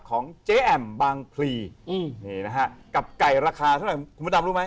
ของเจ๊แอมบางพลีนี่นะฮะกับไก่ราคาเท่าไหร่คุณพระดำรู้ไหม